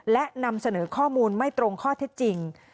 และนำเสนอข้อมูลไม่ตรงข้อเท็จจริง